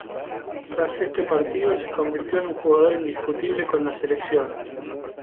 Tras este partido, se convirtió en un jugador indiscutible con la Selección.